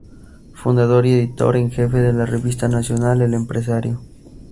Fundador y editor en jefe de la revista nacional "El Empresario".